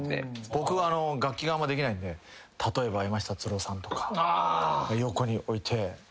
僕は楽器があんまできないので例えば山下達郎さんとか横に置いて。